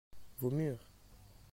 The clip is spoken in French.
vos murs.